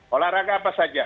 olahraga apa saja